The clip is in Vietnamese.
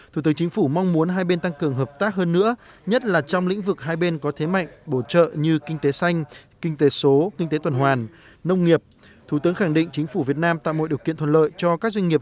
thủ tướng chính phủ mong muốn hai bên tăng cường hợp tác hơn nữa nhất là trong lĩnh vực hai bên có thế mạnh bổ trợ như kinh tế xanh kinh tế số kinh tế tuần hoàn nông nghiệp